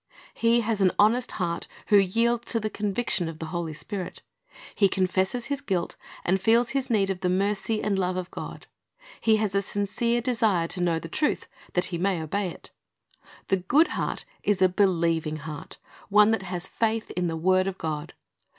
"^ He has an honest heart who yields to the conviction of the Holy Spirit. He confesses his guilt, and feels his need of the mercy and love of God. He has a sincere desire to know the truth, ' Mark 2 : 17 ^'The Sower Went Forth to Sow'' 59 that he may obey it. The good heart is a beheving heart, one that has faith in the word of God.